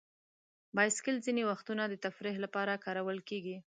بایسکل ځینې وختونه د تفریح لپاره کارول کېږي.